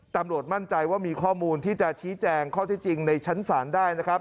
ตำรวจมั่นใจว่ามีข้อมูลที่จะชี้แจงข้อที่จริงในชั้นศาลได้นะครับ